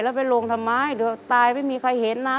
แล้วไปลงทำไมเดี๋ยวตายไม่มีใครเห็นนะ